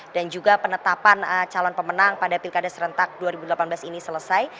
dan juga penetapan calon pemenang pada pilkada serentak dua ribu delapan belas ini selesai